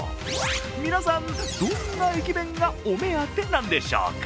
皆さん、どんな駅弁がお目当てなんでしょうか。